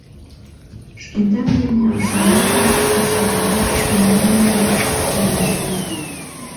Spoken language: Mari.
Шкендан дене ашнеда гын, икшывыдат шкендан гаяк лиеш ыле.